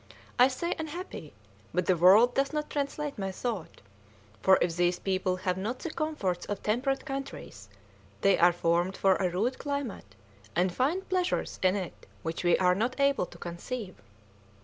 I say unhappy, but the word does not translate my thought, for if these people have not the comforts of temperate countries, they are formed for a rude climate, and find pleasures in it which we are not able to conceive."